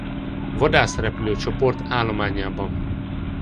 Vadászrepülő Csoport állományában.